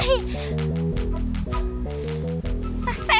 gis kepesin ban mobil mereka